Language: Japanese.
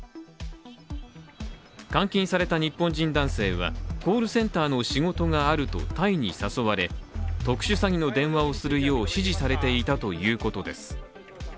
監禁された日本人男性はコールセンターの仕事があるとタイに誘われ特殊詐欺の電話をするよう指示されていたということです。